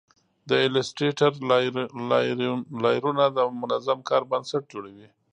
د ایلیسټریټر لایرونه د منظم کار بنسټ جوړوي.